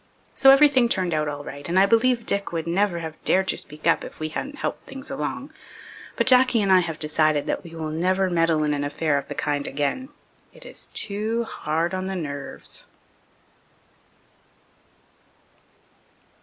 So everything turned out all right, and I believe Dick would never have dared to speak up if we hadn't helped things along. But Jacky and I have decided that we will never meddle in an affair of the kind again. It is too hard on the nerves.